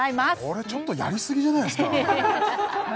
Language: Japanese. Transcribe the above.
これちょっとやりすぎじゃないですか？